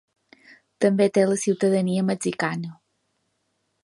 També té la ciutadania mexicana.